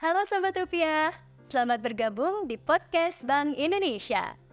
halo selamat rupiah selamat bergabung di podcast bank indonesia